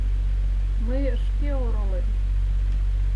Мый шке оролем...